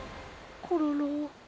コロロ。